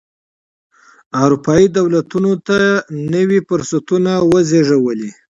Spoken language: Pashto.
اروپايي دولتونو ته نوي فرصتونه وزېږولې.